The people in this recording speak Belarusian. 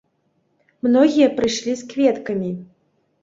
Многія прыйшлі з кветкамі.